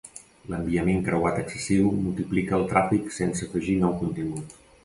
L'enviament creuat excessiu multiplica el tràfic sense afegir nou contingut.